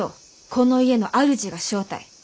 この家の主が正体。